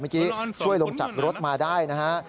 เมื่อกี้ช่วยลงจากรถมาได้นะฮะ